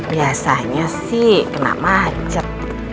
biasanya sih kena macet